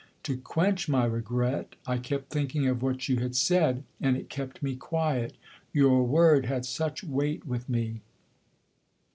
To quench my regret, I kept thinking of what you had said, and it kept me quiet. Your word had such weight with me!"